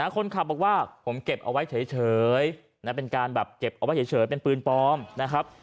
คนขับบอกว่าผมเก็บเอาไว้เฉยเป็นการแบบเก็บเอาไว้เฉยเป็นปืนปลอมนะครับ